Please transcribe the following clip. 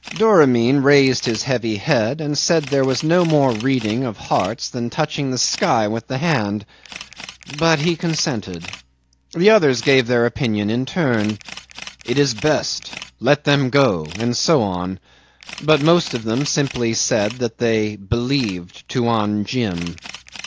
Doramin raised his heavy head and said that there was no more reading of hearts than touching the sky with the hand, but he consented. The others gave their opinion in turn. "It is best," "Let them go," and so on. But most of them simply said that they "believed Tuan Jim."